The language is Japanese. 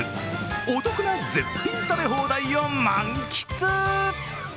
お得な絶品食べ放題を満喫。